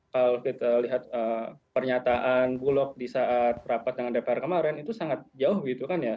kalau kita lihat pernyataan bulog di saat rapat dengan dpr kemarin itu sangat jauh gitu kan ya